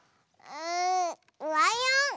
んライオン！